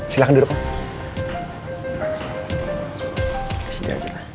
silahkan duduk om